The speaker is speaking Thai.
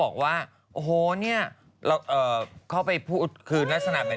ก็มีอะไรกันทุกวันไง